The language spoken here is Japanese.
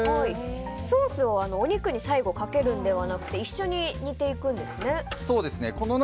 ソースをお肉に最後かけるのではなく一緒に煮ていくんですね。